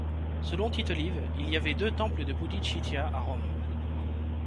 Selon Tite-Live, il y avait deux temples de Pudicitia à Rome.